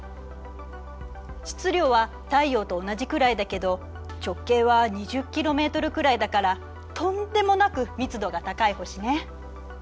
質量は太陽と同じくらいだけど直径は２０ｋｍくらいだからとんでもなく密度が高い星ね。